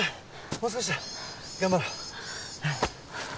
もう少しだ頑張ろう